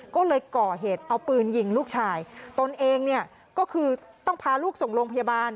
ก็เลยก่อเหตุเอาปืนยิงลูกชายตนเองเนี่ยก็คือต้องพาลูกส่งโรงพยาบาล